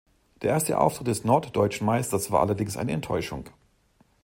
Der erste Auftritt des Norddeutschen Meisters war allerdings eine Enttäuschung.